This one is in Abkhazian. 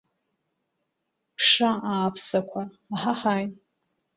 Ԥша ааԥсақәа, аҳаҳаи!